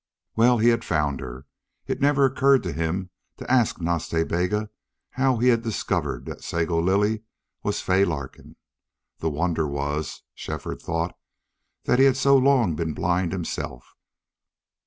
Well, he had found her. It never occurred to him to ask Nas Ta Bega how he had discovered that the Sago Lily was Fay Larkin. The wonder was, Shefford thought, that he had so long been blind himself.